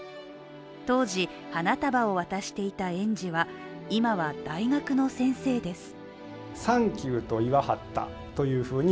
当時、花束を渡していた園児は今は大学の先生です。